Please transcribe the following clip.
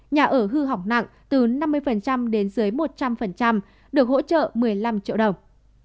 nhà ở hư hỏng nặng từ năm mươi đến dưới một trăm linh được hỗ trợ một mươi năm triệu đồng